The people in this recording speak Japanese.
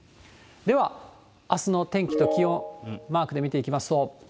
では、あすの天気と気温、マークで見ていきますと。